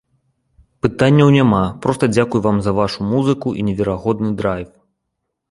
Пытанняў няма, проста дзякуй вам за вашу музыку і неверагодны драйв!